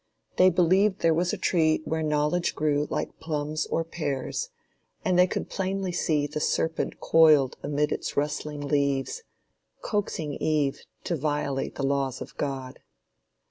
They believed there was a tree where knowledge grew like plums or pears; and they could plainly see the serpent coiled amid its rustling leaves, coaxing Eve to violate the laws of God.